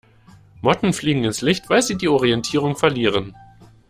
Motten fliegen ins Licht, weil sie die Orientierung verlieren.